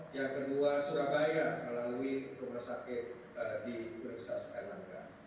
yang kedua surabaya melalui rumah sakit di universitas erlangga